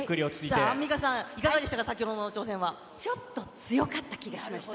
さあ、アンミカさんいかがでちょっと強かった気がしました。